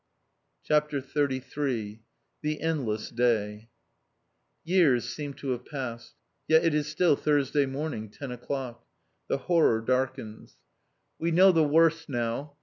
CHAPTER XXXIII THE ENDLESS DAY Years seem to have passed. Yet it is still Thursday morning, ten o'clock. The horror darkens. We know the worst now.